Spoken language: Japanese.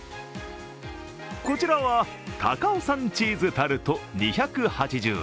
こちらは高尾山チーズタルト２８０円